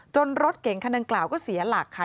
จนรถเก๋งขนันกล่าวก็เสียหลักค่ะ